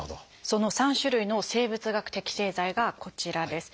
その３種類の生物学的製剤がこちらです。